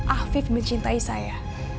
afif mencintai saya